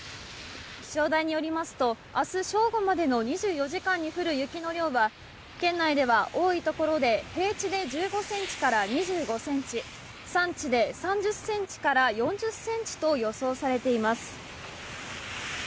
気象台によりますと、あす正午までの２４時間に降る雪の量は、県内では多い所で、平地で１５センチから２５センチ、山地で３０センチから４０センチと予想されています。